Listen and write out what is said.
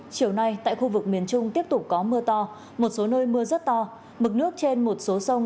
chiều nay tại khu vực miền trung tiếp tục có mưa to một số nơi mưa rất to mực nước trên một số sông